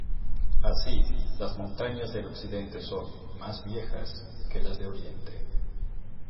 Así, las montañas del occidente son "más viejas" que las de oriente.